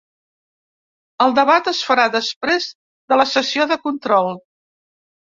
El debat es farà després de la sessió de control.